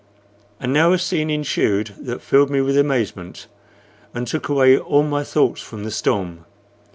And now a scene ensued that filled me with amazement, and took away all my thoughts from the storm.